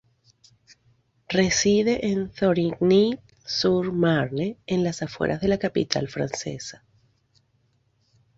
Reside en Thorigny-sur-Marne, en las afueras de la capital francesa.